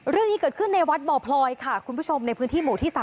เรื่องนี้เกิดขึ้นในวัดบ่อพลอยค่ะคุณผู้ชมในพื้นที่หมู่ที่๓